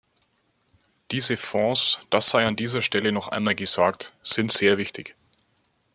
Diese Fonds das sei an dieser Stelle noch einmal gesagt sind sehr wichtig.